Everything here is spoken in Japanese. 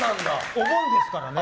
お盆ですからね。